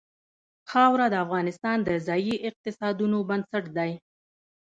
خاوره د افغانستان د ځایي اقتصادونو بنسټ دی.